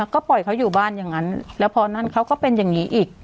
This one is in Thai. ก็ปล่อยเขาอยู่บ้านอย่างนั้นแล้วพอนั่นเขาก็เป็นอย่างนี้อีก